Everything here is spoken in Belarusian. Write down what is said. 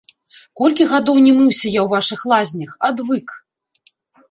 Колькі гадоў не мыўся я ў вашых лазнях, адвык.